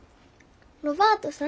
ロバートさん？